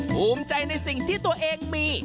ภูมิใจในสิ่งที่ตัวเองมี